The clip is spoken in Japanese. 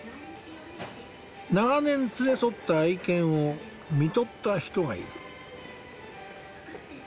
長年連れ添った愛犬を看取った人がいる。